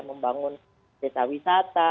membangun desa wisata